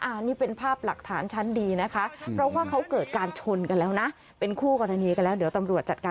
อ่านี่เป็นภาพหลักฐานชั้นดีนะคะ